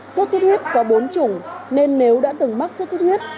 suốt xuất huyết có bốn chủng nên nếu đã từng mắc suốt xuất huyết